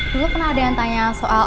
dulu pernah ada yang tanya soal